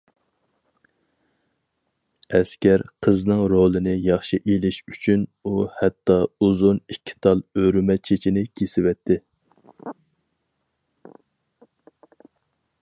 ئەسكەر قىزنىڭ رولىنى ياخشى ئېلىش ئۈچۈن، ئۇ ھەتتا ئۇزۇن ئىككى تال ئۆرۈمە چېچىنى كېسىۋەتتى.